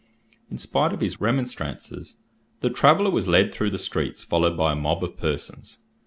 In spite of his remonstrances, the traveller was led through the streets followed by a mob of persons.